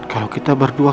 kalau kita berdua